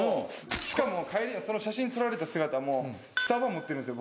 しかも帰りその写真撮られた姿もスタバ持ってるんすよ